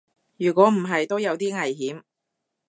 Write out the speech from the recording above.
如果唔係都有啲危險